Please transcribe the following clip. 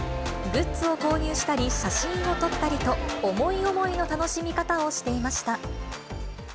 グッズを購入したり、写真を撮ったりと、思い思いの楽しみ方をしていました。